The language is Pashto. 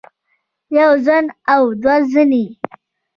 يوه زن او دوه زنې